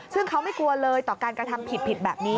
ซึ่งเขาไม่กลัวเลยต่อการกระทำผิดแบบนี้